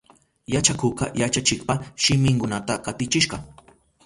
Yachakukka yachachikpa shiminkunata katichishka.